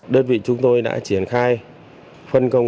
đơn vị chúng tôi đã triển khai phân công